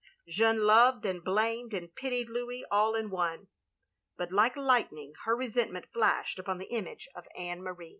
Jeanne loved and blamed and pitied Louis all in one — ^but like lightning, her resentment flashed upon the image of Anne Marie.